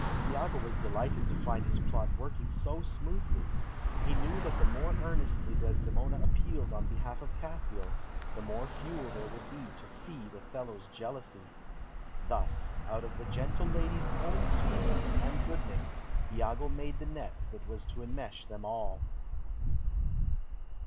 Iago was delighted to find his plot working so smoothly. He knew that the more earnestly Desdemona appealed on behalf of Cassio, the more fuel there would be to feed Othello's jealousy. Thus, out of the gentle lady's own sweetness and goodness Iago made the net that was to enmesh them all.